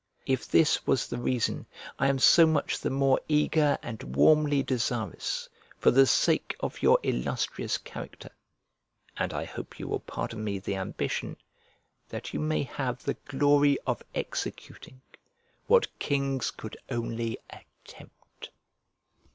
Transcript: If this was the reason, I am so much the more eager and warmly desirous, for the sake of your illustrious character (and I hope you will pardon me the ambition), that you may have the glory of executing what kings could only attempt.